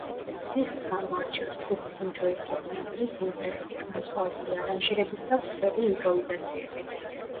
დისკს გამოარჩევს ჯგუფის იმ დროისთვის ცნობილი სიმღერები, განსხვავებული არანჟირებით და ვრცელი იმპროვიზაციებით.